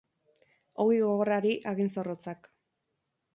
Ogi gogorrari, hagin zorrotzak.